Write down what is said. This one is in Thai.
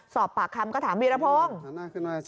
สอบปากคำก็ถามวีรพงศ์